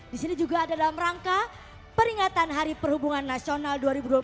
di sini juga ada dalam rangka peringatan hari perhubungan nasional dua ribu dua puluh tiga